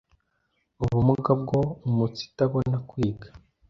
ubumuga bwo umunsitabona kwiga